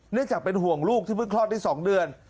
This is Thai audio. จากเป็นห่วงลูกที่เพิ่งคลอดได้๒เดือน